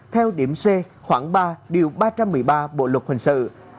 theo điểm c khoảng ba điều ba trăm một mươi ba bộ luật hình sự